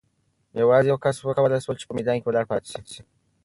یوازې یو کس وکولای شول چې په میدان کې ولاړ پاتې شي.